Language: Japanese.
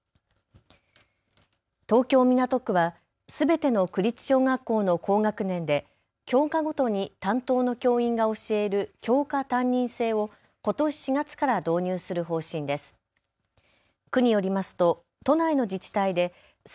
東京港区はすべての区立小学校の高学年で教科ごとに担当の教員が教える教科担任制をことし４月から導入する方針です。